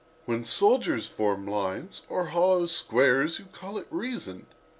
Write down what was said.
When soldiers form lines, or hollow squares, you call it reason.